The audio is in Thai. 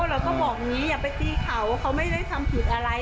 แล้วก็บอกอย่าไปตีเค้าเค้าไม่ได้ทำผิดอะไร